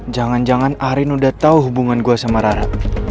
jangan jangan arin udah tahu hubungan gue sama rara